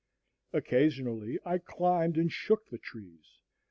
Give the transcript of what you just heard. Occasionally I climbed and shook the trees.